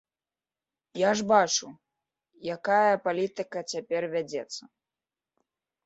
Я ж бачу, якая палітыка цяпер вядзецца.